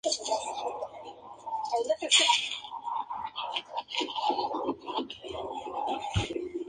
Diplomada Universitaria en Trabajo Social y en Relaciones Laborales.